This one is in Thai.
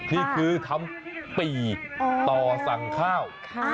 นี่คือทำปีกต่อสั่งข้าว